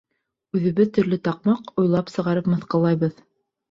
Үҙебеҙ төрлө таҡмаҡ уйлап сығарып мыҫҡыллайбыҙ.